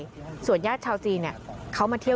ผมยังอยากรู้ว่าว่ามันไล่ยิงคนทำไมวะ